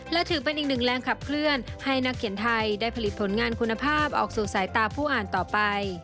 และถือเป็นอีกหนึ่งแรงขับเคลื่อนให้นักเขียนไทยได้ผลิตผลงานคุณภาพออกสู่สายตาผู้อ่านต่อไป